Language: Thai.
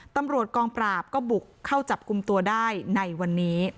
ตำรวจกองปราบก็บุกเข้าจับกลุ่มตัวได้ในวันนี้